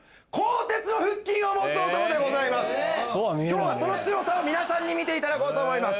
今日はその強さを皆さんに見ていただこうと思います。